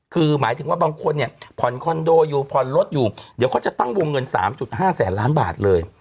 คือหมายถึงว่าบางคนเนี่ยผ่อนคอนโดอยู่ผ่อนรถอยู่เดี๋ยวเขาจะตั้งวงเงิน๓๕แสนล้านบาทเลย